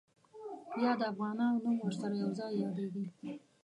یا د افغانانو نوم ورسره یو ځای یادېږي.